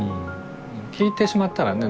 聞いてしまったらね